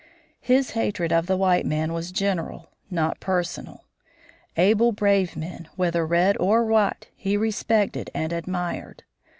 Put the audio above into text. His hatred of the white man was general, not personal. Able, brave men, whether red or white, he respected and admired.